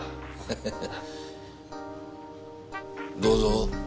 どうぞ。